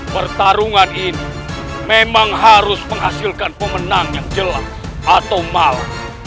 pertarungan ini memang harus menghasilkan pemenang yang jelas atau mal